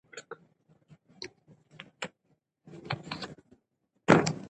په فهرست کې موجود موضوعات وګورئ.